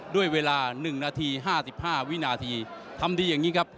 ด้วยเวลาหนึ่งนาทีห้าสิบห้าวินาทีทำดีอย่างงี้ครับ